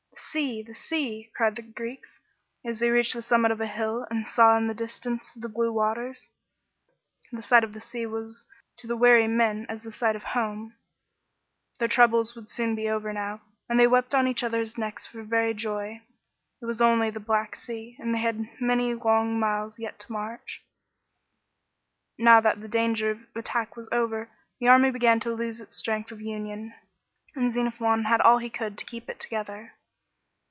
" The sea ! the sea !" cried the Greeks, as they reached the summit of a hill and saw in the dis i * tance the blue Caters. The sight of the sea was to the weary men, as the sight of home. Their 1 See chapter 33. B.C. 399.] RETREAT OF THE GREEKS. 119 troubles would soon be over now, and they wept on each other's necks for very joy. It was only the Black Sea, and they had many long miles yet to march. Now that the danger of attack was over, the army began to loose its strength of union, and Xenophon had all he could do to keep it together.